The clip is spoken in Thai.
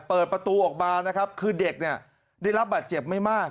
เปิดประตูออกมานะครับคือเด็กเนี่ยได้รับบาดเจ็บไม่มาก